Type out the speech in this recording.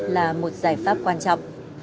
là một giải pháp quan trọng